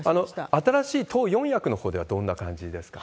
新しい党四役のほうではどんな感じですか？